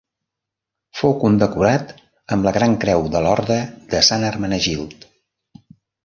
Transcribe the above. Fou condecorat amb la Gran Creu de l'Orde de Sant Hermenegild.